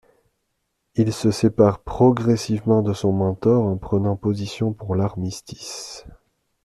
Il se sépare progressivement de son mentor en prenant position pour l'armistice.